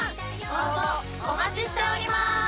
応募お待ちしております！